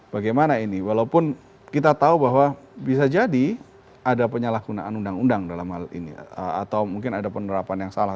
bagaimana ini walaupun kita tahu bahwa bisa jadi ada penyalahgunaan undang undang dalam hal ini atau mungkin ada penerapan yang salah